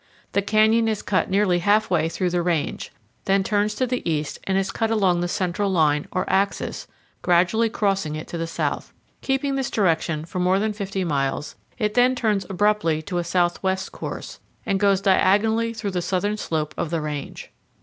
The canyon is cut nearly halfway through the range, then turns to the east and is cut along the central line, or axis, gradually crossing it to the south. Keeping this direction for more than 50 miles, it then turns abruptly to a southwest course, and goes diagonally through the southern slope of the range.